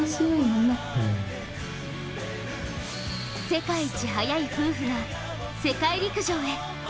世界一速い夫婦が世界陸上へ。